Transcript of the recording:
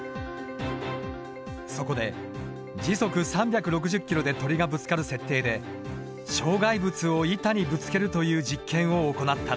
そこで時速３６０キロで鳥がぶつかる設定で障害物を板にぶつけるという実験を行った。